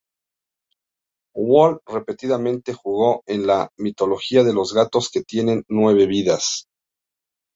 Walt repetidamente jugó en la mitología de los gatos que tienen nueve vidas.